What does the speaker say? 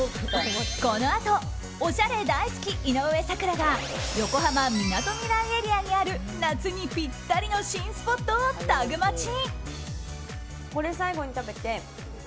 このあとおしゃれ大好き井上咲楽が横浜・みなとみらいエリアにある夏にぴったりの新スポットをタグマチ。